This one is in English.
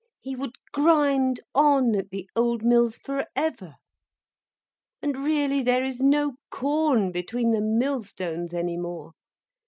He would grind on at the old mills forever. And really, there is no corn between the millstones any more.